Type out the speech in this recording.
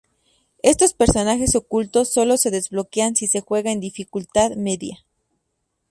Estos personajes ocultos solo se desbloquean si se juega en dificultad Media.